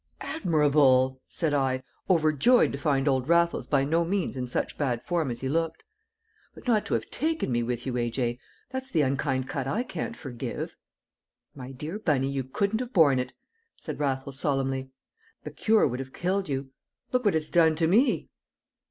"Admirable!" said I, overjoyed to find old Raffles by no means in such bad form as he looked. "But not to have taken me with you, A. J., that's the unkind cut I can't forgive." "My dear Bunny, you couldn't have borne it," said Raffles solemnly. "The cure would have killed you; look what it's done to me."